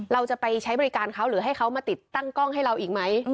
เราจะไปใช้บริการเขาหรือให้เขามาติดตั้งกล้องให้เราอีกไหม